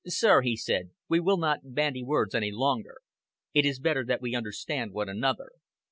"Sir," he said, "we will not bandy words any longer. It is better that we understand one another.